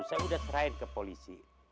saya udah serahin ke polisi